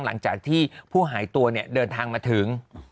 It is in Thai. หลังจากที่ผู้หายตัวเนี่ยเดินทางมาถึง